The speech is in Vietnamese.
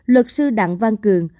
luật sư đặng văn cường